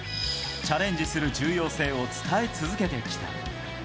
チャレンジする重要性を伝え続けてきた。